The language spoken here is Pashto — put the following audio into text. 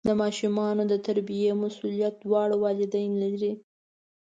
د ماشومانو د تربیې مسؤلیت دواړه والدین لري.